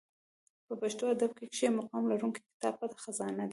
په پښتو ادب کښي مقام لرونکى کتاب پټه خزانه دئ.